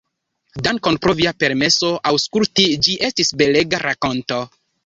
Dankon pro via permeso aŭskulti, ĝi estis belega rakonto.